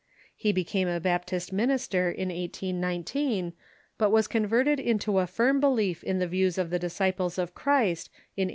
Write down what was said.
He became a Baptist minister in 1819, but was converted into a firm be lief in the views of the Disciples of Christ in 1821.